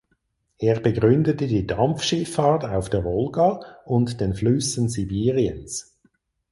Er begründete die Dampfschifffahrt auf der Wolga und den Flüssen Sibiriens.